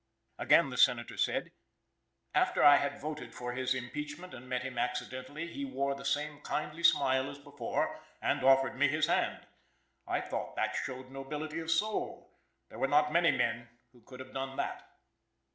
Again the Senator said: "After I had voted for his impeachment, and met him accidentally, he wore the same kindly smile as before, and offered me his hand. I thought that showed nobility of soul. There were not many men who could have done that."